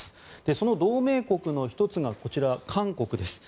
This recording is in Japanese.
その同盟国の１つがこちら韓国です。